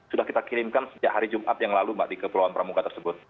sudah kita kirimkan sejak hari jumat yang lalu mbak di kepulauan pramuka tersebut